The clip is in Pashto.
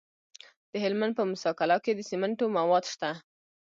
د هلمند په موسی قلعه کې د سمنټو مواد شته.